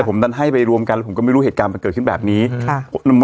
ผมดันให้ไปรวมกันแล้วผมก็ไม่รู้เหตุการณ์มันเกิดขึ้นแบบนี้ค่ะ